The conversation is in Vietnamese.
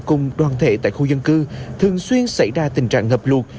công an cùng đoàn thể tại khu dân cư thường xuyên xảy ra tình trạng ngập lụt